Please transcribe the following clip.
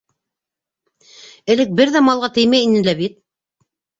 Элек бер ҙә малға теймәй ине лә бит.